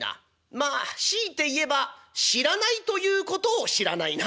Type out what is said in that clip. まあ強いて言えば知らないということを知らないな」。